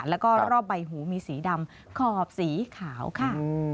แล้วก็รอบใบหูมีสีดำขอบสีขาวค่ะ